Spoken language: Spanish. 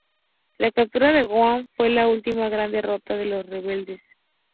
La captura de Wan fue la última gran derrota de los rebeldes.